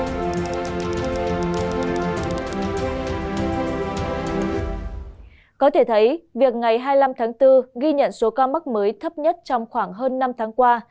có thể thấy việc ngày hai mươi năm tháng bốn ghi nhận số ca mắc mới thấp nhất trong khoảng hơn năm tháng qua